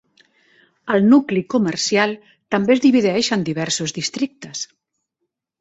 El nucli comercial també es divideix en diversos districtes.